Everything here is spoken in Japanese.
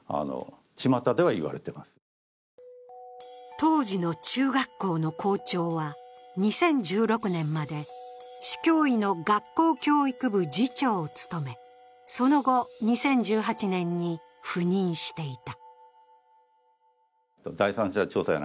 当時の中学校の校長は、２０１６年まで市教委の学校教育部次長を務め、その後、２０１８年に赴任していた。